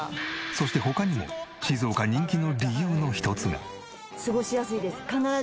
そして他にも静岡人気の理由の一つが。